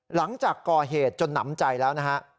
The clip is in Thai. หลังจากก่อเหตุจนหนำใจแล้วนะฮะ